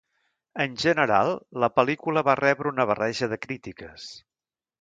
En general, la pel·lícula va rebre una barreja de crítiques.